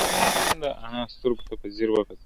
ماشوم د انا سترگو ته په ځير وکتل.